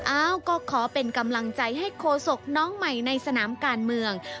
อ้าวก็ขอเป็นกำลังใจให้โคศกน้องใหม่ในสนามการเมือง